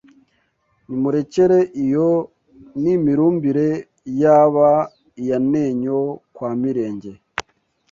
Nimurekere iyo n’imirumbire yaba iya Ntenyo kwa Mirenge